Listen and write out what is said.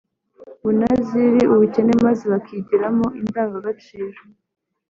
bunazira ubukene maze bakigiramo indangagaciro